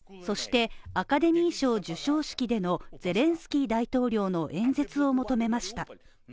そして、アカデミー賞授賞式でのゼレンスキー大統領の演説を求めました。